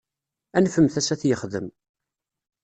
Anfemt-as ad t-yexdem.